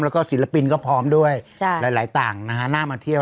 แล้วก็ศิลปินก็พร้อมด้วยหลายต่างนะฮะน่ามาเที่ยว